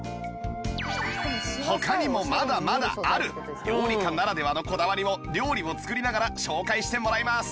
他にもまだまだある料理家ならではのこだわりを料理を作りながら紹介してもらいます